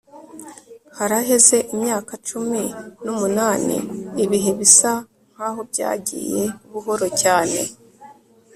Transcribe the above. haraheze imyaka cumi n'umunani, ibihe bisa nkaho byagiye buhoro cyane